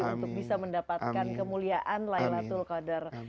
untuk bisa mendapatkan kemuliaan laylatul qadar